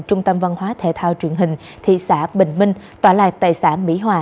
trung tâm văn hóa thể thao truyền hình thị xã bình minh tọa lạc tại xã mỹ hòa